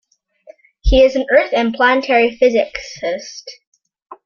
He is an Earth and planetary physicist.